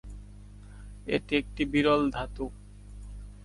এটি একটি বিরল ধাতু।